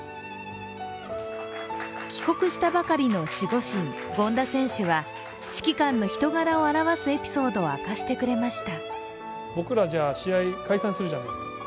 帰国したばかりの守護神・権田選手は指揮官の人柄を表すエピソードを明かしてくれました。